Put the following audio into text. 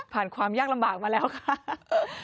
ความยากลำบากมาแล้วค่ะ